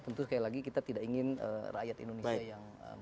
tentu sekali lagi kita tidak ingin rakyat indonesia yang